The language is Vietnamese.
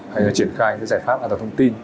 hay là triển khai cái giải pháp an toàn thông tin